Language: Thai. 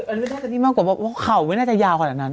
อันนี้ได้เป็นที่มากกว่าว่าหัวเข่าไว้น่าจะยาวขนาดนั้น